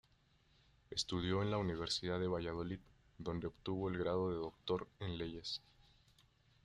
Estudió en la Universidad de Valladolid, donde obtuvo el grado de Doctor en Leyes.